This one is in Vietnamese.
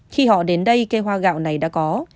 khi họ đến đây cây hoa gạo này đã có